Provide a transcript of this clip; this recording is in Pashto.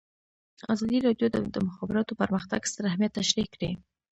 ازادي راډیو د د مخابراتو پرمختګ ستر اهميت تشریح کړی.